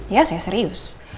ya saya serius